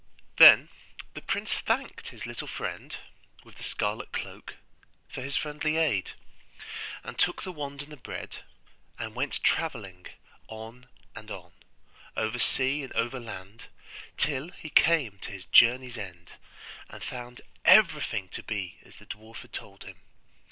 Then the prince thanked his little friend with the scarlet cloak for his friendly aid, and took the wand and the bread, and went travelling on and on, over sea and over land, till he came to his journey's end, and found everything to be as the dwarf had told him.